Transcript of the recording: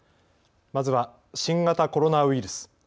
まずは新型コロナウイルス。